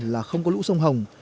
là không có lũ sông hồng